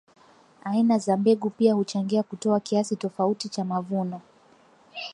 Aina za mbegu pia huchangia kutoa kiasi tofauti cha mavuno